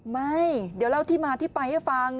ไม่เดี๋ยวเล่าที่มาที่ไปให้ฟัง